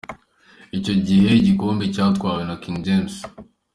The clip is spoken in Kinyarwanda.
Icyo gihe igikombe cyatwawe na King James.